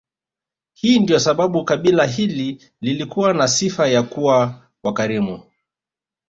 Hii ndiyo sababu kabila hili lilikuwa na sifa ya kuwa wakarimu